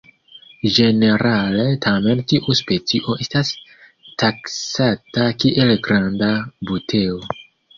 Ĝenerale tamen tiu specio estas taksata kiel granda "Buteo".